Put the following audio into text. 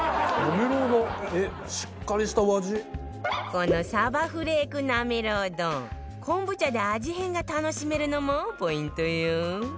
このさばフレークなめろう丼昆布茶で味変が楽しめるのもポイントよ